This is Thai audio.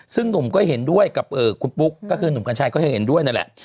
ซึ่งหนุ่มก็เห็นด้วยกับคุณปุ๊กก็คือหนุ่มกัญชัยก็จะเห็นด้วยนั่นแหละ